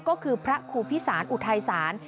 ก็คือพระครูพิสารอุทัยศาล